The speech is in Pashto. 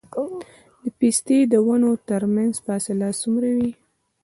د پستې د ونو ترمنځ فاصله څومره وي؟